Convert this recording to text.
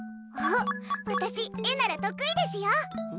私、絵なら得意ですよ！